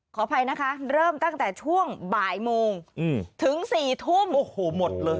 ขออภัยนะคะเริ่มตั้งแต่ช่วงบ่ายโมงถึง๔ทุ่มโอ้โหหมดเลย